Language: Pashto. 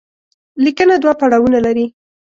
ليکنه دوه پړاوونه لري.